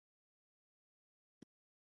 سږي شاوخوا پنځه سوه ملیونه کوچني وېښتان لري.